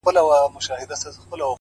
له ځانه بېل سومه له ځانه څه سېوا يمه زه.